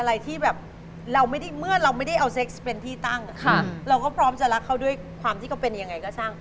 เราก็พร้อมจะรักเขาด้วยของที่เขาเป็นยังไงก็ช่าง